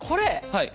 はい。